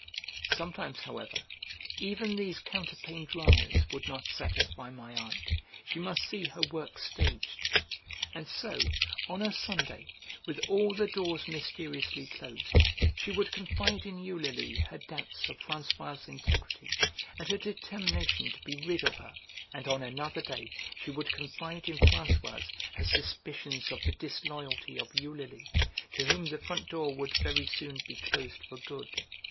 Sometimes, however, even these counterpane dramas would not satisfy my aunt; she must see her work staged. And so, on a Sunday, with all the doors mysteriously closed, she would confide in Eulalie her doubts of Françoise's integrity and her determination to be rid of her, and on another day she would confide in Françoise her suspicions of the disloyalty of Eulalie, to whom the front door would very soon be closed for good.